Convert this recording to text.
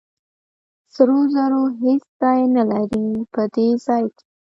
سرو زرو هېڅ ځای نه لري په دې ځای کې.